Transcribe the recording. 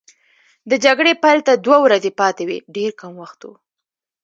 د جګړې پیل ته دوه ورځې پاتې وې، ډېر کم وخت وو.